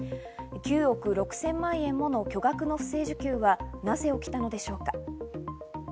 ９億６０００万円もの巨額の不正受給はなぜ起きたのでしょうか。